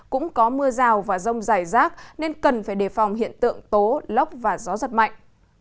cũng có mưa rào và rông dài rác nên cần phải đề phòng hiện tượng tố lốc và gió giật mạnh